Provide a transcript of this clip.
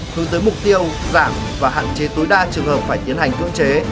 hướng tới mục tiêu giảm và hạn chế tối đa trường hợp phải tiến hành cưỡng chế